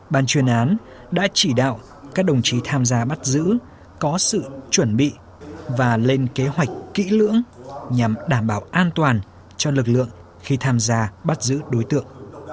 ban chuyên án đã chỉ đạo các đồng chí tham gia bắt giữ có sự chuẩn bị và lên kế hoạch kỹ lưỡng nhằm đảm bảo an toàn cho lực lượng khi tham gia bắt giữ đối tượng